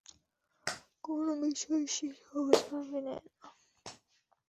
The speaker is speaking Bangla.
কোন বিষয় সে সহজভাবে নেয় না।